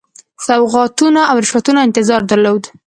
سوغاتونو او رشوتونو انتظار درلود.